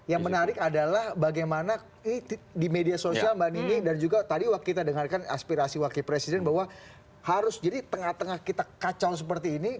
yang menarik adalah bagaimana di media sosial mbak nining dan juga tadi waktu kita dengarkan aspirasi wakil presiden bahwa harus jadi tengah tengah kita kacau seperti ini